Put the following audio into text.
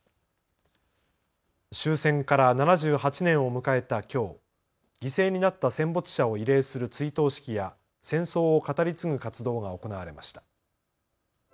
終戦から７８年を迎えたきょう、犠牲になった戦没者を慰霊する追悼式や戦争を語り継ぐ活動が行われました。